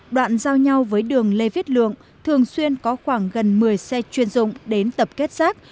đoạn giao nhau với đường lê viết lượng thường xuyên có khoảng gần một mươi xe chuyên dụng đến tập kết rác